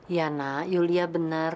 yana julia benar